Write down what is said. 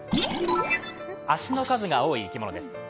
足の数が多い生き物です。